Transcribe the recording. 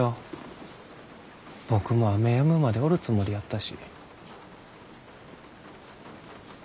僕も雨やむまでおるつもりやったし。